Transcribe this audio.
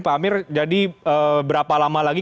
pak amir jadi berapa lama lagi